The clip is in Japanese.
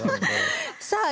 さあ